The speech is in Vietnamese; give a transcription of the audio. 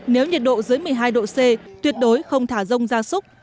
nếu nhiệt độ dưới một mươi hai độ c tuyệt đối không thả rông gia súc